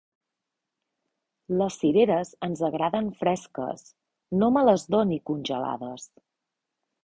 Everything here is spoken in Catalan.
Les cireres ens agraden fresques; no me les doni congelades.